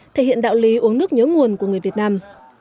thể hiện đạo lý uống nước nhớ nguồn của người việt nam